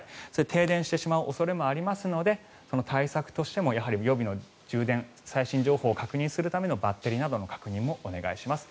停電してしまう恐れもありますので対策としてもやはり予備の充電最新情報を確認するためのバッテリーなどの確認もお願いします。